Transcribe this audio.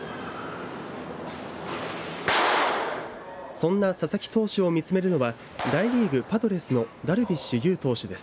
そんな佐々木投手を見つめるのは大リーグ、パドレスのダルビッシュ有投手です。